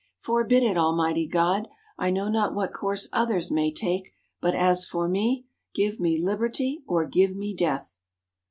"Forbid it, Almighty God! I know not what course others may take; but as for me, give me Liberty or give me Death!"